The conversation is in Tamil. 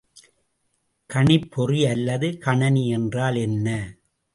கணிப்பொறி அல்லது கணினி என்றால் என்ன?